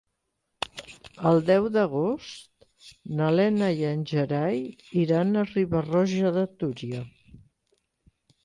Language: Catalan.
El deu d'agost na Lena i en Gerai iran a Riba-roja de Túria.